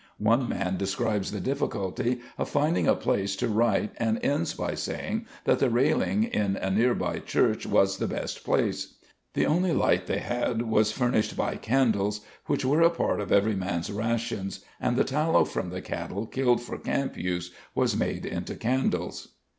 One man describes the difficulty of finding a place to write and ends by saying that the railing in a near by church was the best place. The only light they had was furnished by candles which were a part of every man's rations and the tallow from the cattle killed for camp use was made into candles.